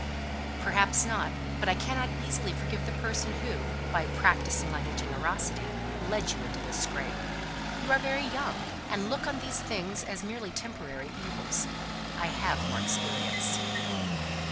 "Perhaps not. But I cannot easily forgive the person who, by practising on your generosity, led you into this scrape. You are very young, and look upon these things as merely temporary evils. I have more experience."